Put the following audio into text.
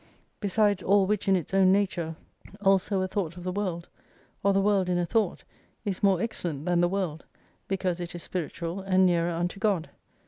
Besides all which in its own nature also a Thought of the World, or the World in a Thought, is more excellent than the World, because it is spiritual and nearer unto God.